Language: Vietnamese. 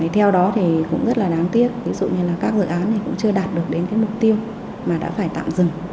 theo đó thì cũng rất là đáng tiếc ví dụ như là các dự án này cũng chưa đạt được đến mục tiêu mà đã phải tạm dừng